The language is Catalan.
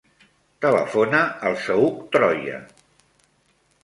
Telefona al Saüc Troya.